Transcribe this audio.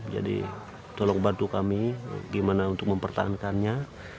jadi tolong bantu kami bagaimana untuk mempertahankannya